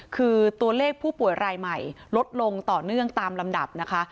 คือตัวเลขผู้ป่วยรายใหม่ลดลงต่อเนื่องตามลำดับนะคะ